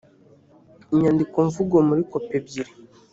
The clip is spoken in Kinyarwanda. inyandikomvugo muri kopi ebyiri